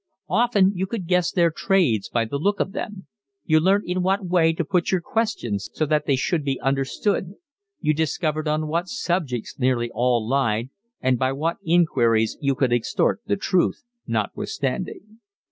Often you could guess their trades by the look of them. You learnt in what way to put your questions so that they should be understood, you discovered on what subjects nearly all lied, and by what inquiries you could extort the truth notwithstanding.